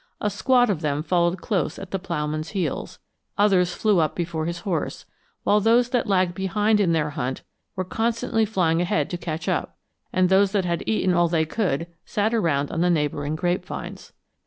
A squad of them followed close at the plowman's heels, others flew up before his horse, while those that lagged behind in their hunt were constantly flying ahead to catch up, and those that had eaten all they could sat around on the neighboring grape vines.